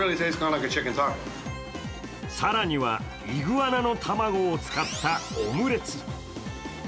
更には、イグアナの卵を使ったオムレツ。